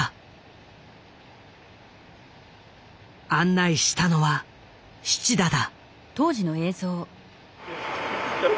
案内したのは七田だ。